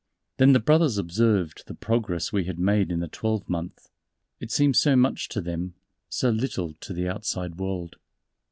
Then the Brothers observed the progress we had made in the twelvemonth.... It seemed so much to them, so little to the outside world.